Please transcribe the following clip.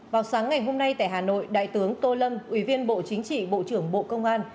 vào sáng ngày hôm nay tại hà nội đại tướng tô lâm ủy viên bộ chính trị bộ trưởng bộ công an